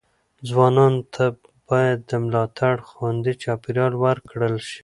ځوانانو ته باید د ملاتړ خوندي چاپیریال ورکړل شي.